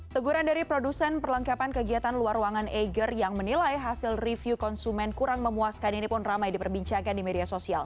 teguran dari produsen perlengkapan kegiatan luar ruangan ager yang menilai hasil review konsumen kurang memuaskan ini pun ramai diperbincangkan di media sosial